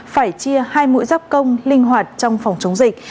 phải chia hai mũi giáp công linh hoạt trong phòng chống dịch